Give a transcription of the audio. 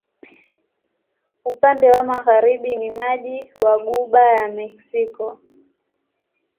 Upande wa magharibi ni maji wa Ghuba ya Meksiko.